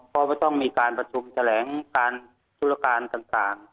ก็ไม่ต้องมีการประชุมแถลงการธุรการต่าง